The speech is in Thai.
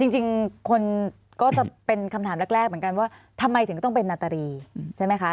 จริงคนก็จะเป็นคำถามแรกเหมือนกันว่าทำไมถึงต้องเป็นนาตรีใช่ไหมคะ